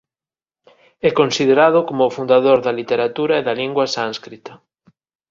É considerado como o fundador da literatura e da lingua sánscrita.